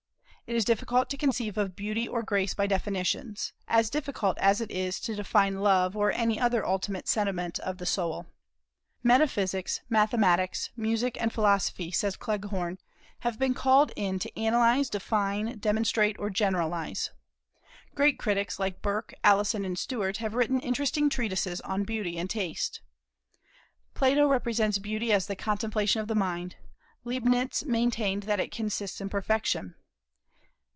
It is difficult to conceive of beauty or grace by definitions, as difficult as it is to define love or any other ultimate sentiment of the soul. "Metaphysics, mathematics, music, and philosophy," says Cleghorn, "have been called in to analyze, define, demonstrate, or generalize," Great critics, like Burke, Alison, and Stewart, have written interesting treatises on beauty and taste. "Plato represents beauty as the contemplation of the mind. Leibnitz maintained that it consists in perfection.